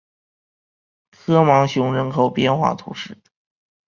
科芒雄人口变化图示